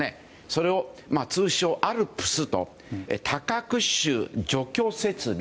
それを通称、ＡＬＰＳという多核種除去設備。